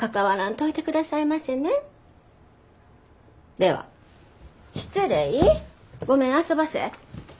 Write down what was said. では失礼ごめんあそばせ。